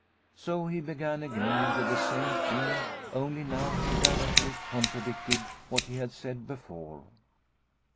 So he began again with the same thing, only now he directly contradicted what he had said before.